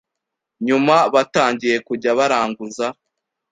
Nyuma batangiye kujya baranguza